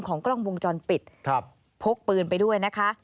ของกล้องวงจรปิดพกพื้นไปด้วยนะคะ